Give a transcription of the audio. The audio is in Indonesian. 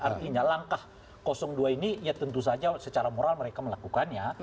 artinya langkah dua ini ya tentu saja secara moral mereka melakukannya